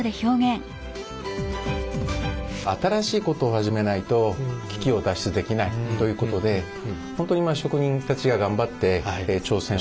新しいことを始めないと危機を脱出できないということで本当に職人たちが頑張って挑戦してくれたんですね。